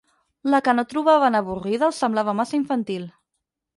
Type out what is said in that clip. La que no trobaven avorrida els semblava massa infantil.